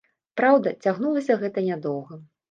Праўда, цягнулася гэта нядоўга.